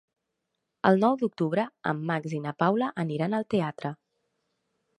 El nou d'octubre en Max i na Paula aniran al teatre.